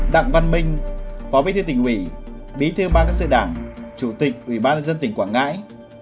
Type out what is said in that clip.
đặng văn minh phó bí tư tỉnh ủy bí tư ban các sự đảng chủ tịch ủy ban dân tỉnh quảng ngai